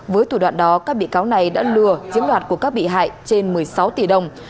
với thủ đoạn đó các bị cáo này đã lừa chiếm đoạt của các bị hại trên một mươi sáu tỷ đồng